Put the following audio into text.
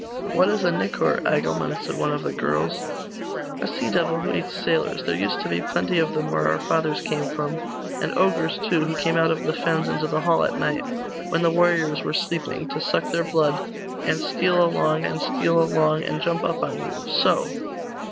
'What is a nicor, Agilmund?' asked one of the girls. 'A sea devil who eats sailors. There used to be plenty of them where our fathers came from, and ogres too, who came out of the fens into the hall at night, when the warriors were sleeping, to suck their blood, and steal along, and steal along, and jump upon you so!